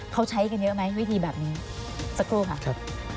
เขาใช้กันเยอะไหมวิธีแบบนี้สักครู่ค่ะครับ